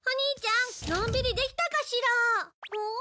ん？